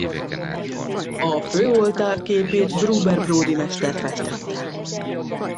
A főoltár képét Gruber bródi mester festette.